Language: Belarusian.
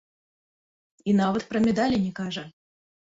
І нават пра медалі не кажа.